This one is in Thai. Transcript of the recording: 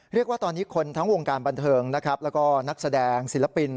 เรียกว่าตอนนี้คนทั้งวงการบันเทิงนะครับแล้วก็นักแสดงศิลปิน